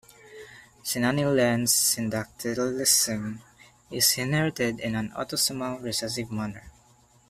Cenani-Lenz syndactylism is inherited in an autosomal recessive manner.